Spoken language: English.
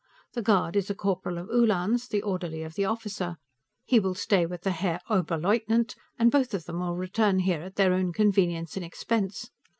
The guard is a corporal of Uhlans, the orderly of the officer. He will stay with the Herr Oberleutnant, and both of them will return here at their own convenience and expense.